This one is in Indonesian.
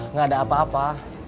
nggak ada apa apa